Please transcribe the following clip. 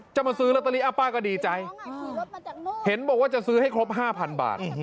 จะมาซื้อลอตเตอรี่ป้าก็ดีใจเห็นบอกว่าจะซื้อให้ครบ๕๐๐บาท